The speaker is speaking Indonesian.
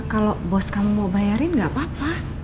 kalau bos kamu mau bayarin nggak apa apa